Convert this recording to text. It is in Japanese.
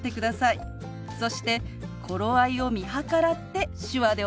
そして頃合いを見計らって手話でお話を始めます。